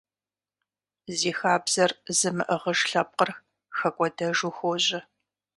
Зи хабзэр зымыӀыгъыж лъэпкъыр хэкӀуэдэжу хуожьэ.